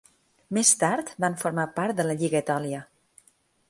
Més tard van formar part de la Lliga Etòlia.